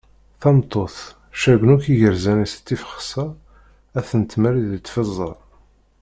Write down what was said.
Tameṭṭut cergen akk igerzan-is d tifexsa ad ten-tmerri di tfezza.